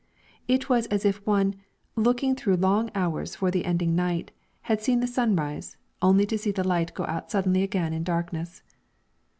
It was as if one, looking through long hours for the ending of night, had seen the sunrise, only to see the light go out suddenly again in darkness.